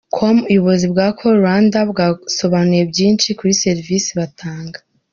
com, ubuyobozi bwa Call Rwanda bwasobanuye byinshi kuri serivisi batanga.